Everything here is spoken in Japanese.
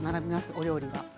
お料理が。